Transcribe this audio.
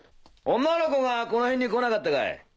女の子がこの辺に来なかったかい？